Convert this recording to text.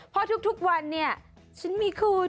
เพราะทุกวันฉันมีขุด